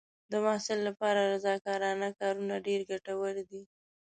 د محصل لپاره رضاکارانه کارونه ډېر ګټور دي.